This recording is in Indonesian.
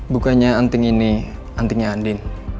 bukannya anting ini antingnya anting